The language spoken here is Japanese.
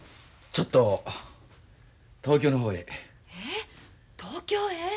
ちょっと東京の方へ。